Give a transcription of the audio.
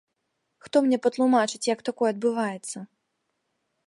Хто мне патлумачыць, як такое адбываецца?